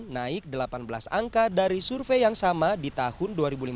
naik delapan belas angka dari survei yang sama di tahun dua ribu lima belas